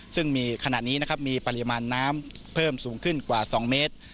ซึ่งมีขณะนี้นะครับมีปริมาณน้ำเพิ่มสูงขึ้นกว่า๒เมตร